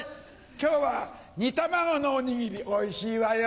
今日は煮卵のおにぎりおいしいわよ。